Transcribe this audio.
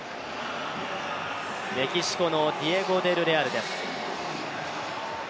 メキシコのディエゴ・デルレアルです。